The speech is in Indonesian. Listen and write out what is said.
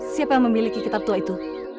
siapa yang memiliki kitab tua itu